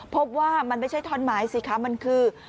พบว่ามันไม่ใช่ท่อนไม้สิคะมันคือ